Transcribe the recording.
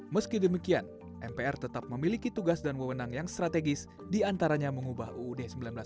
meski demikian mpr tetap memiliki tugas dan wewenang yang strategis diantaranya mengubah uud seribu sembilan ratus empat puluh